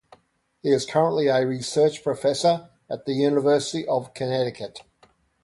He is currently a research professor at University of Connecticut.